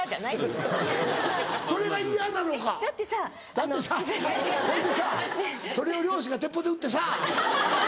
だってさほいでさそれを猟師が鉄砲で撃ってさ。